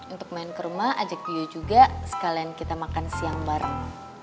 untuk main ke rumah ajak dia juga sekalian kita makan siang bareng